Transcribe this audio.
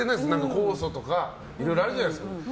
酵素とかいろいろあるじゃないですか。